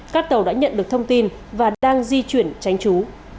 các tàu đã nhận được thông tin và đang di chuyển tránh trú